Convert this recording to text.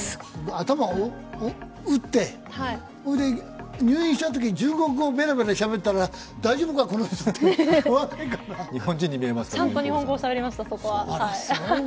頭打って、入院したとき中国語ベラベラしゃべったら大丈夫か、この人って言われねえかな。